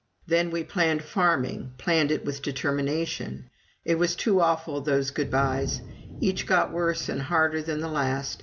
Then we planned farming, planned it with determination. It was too awful, those good byes. Each got worse and harder than the last.